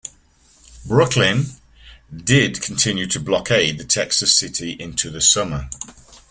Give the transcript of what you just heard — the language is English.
"Brooklyn" did continue to blockade the Texas city into the summer.